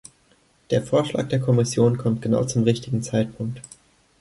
Der Vorschlag der Kommission kommt genau zum richtigen Zeitpunkt.